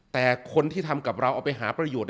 แต่คนที่ทำกับเราเอาไปหาประโยชน์